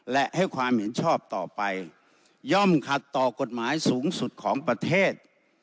และให้ความเห็นชอบต่อไปย่อมขัดต่อกฎหมายสูงสุดของประเทศ